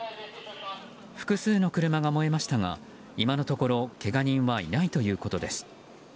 複数の車が燃えましたが今のところけが人はいないということです。